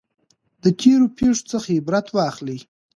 د تیرو پیښو څخه عبرت واخلئ.